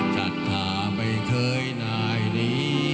ฉันถ้าไม่เคยนายดี